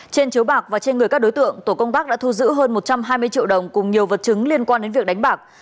trên chiếu bạc và trên người các đối tượng tổ công tác đã thu giữ hơn một trăm hai mươi triệu đồng cùng nhiều vật chứng liên quan đến việc đánh bạc